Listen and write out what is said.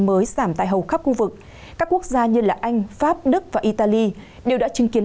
mới giảm tại hầu khắp khu vực các quốc gia như anh pháp đức và italy đều đã chứng kiến